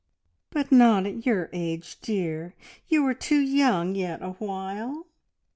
"But not at your age, dear! You are too young yet awhile!"